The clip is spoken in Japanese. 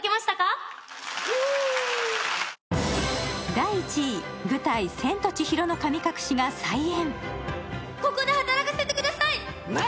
第１位、舞台「千と千尋の神隠し」が再演。